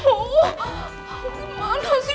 rumah di mana sih